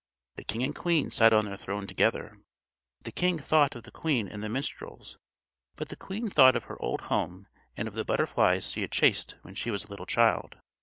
The king and queen sat on their throne together. The king thought of the queen and the minstrels; but the queen thought of her old home, and of the butterflies she had chased when she was a little child.